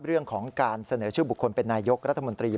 เรื่องของการเสนอชื่อบุคคลเป็นนายกรัฐมนตรี